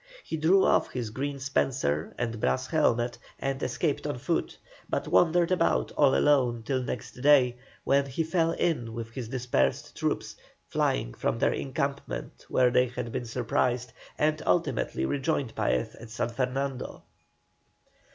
He threw off his green spencer and brass helmet and escaped on foot, but wandered about all alone till next day, when he fell in with his dispersed troops, flying from their encampment where they had been surprised, and ultimately rejoined Paez at San Fernando.